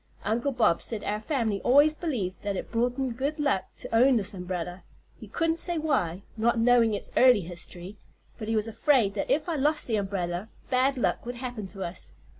Uncle Bob said our fam'ly always believed that it brought 'em good luck to own this umbrella. He couldn't say why, not knowing its early history, but he was afraid that if I lost the umbrella bad luck would happen to us.